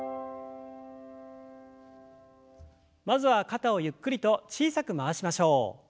まずは肩をゆっくりと小さく回しましょう。